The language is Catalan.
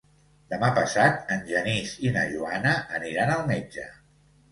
Demà passat en Genís i na Joana aniran al metge.